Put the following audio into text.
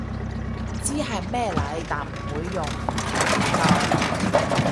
知係咩嚟但唔會用，唔同年代